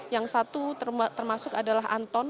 yang satu termasuk anton